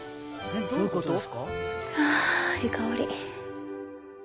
ああいい香り。